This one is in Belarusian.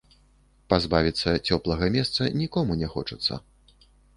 Пазбавіцца цёплага месца нікому не хочацца.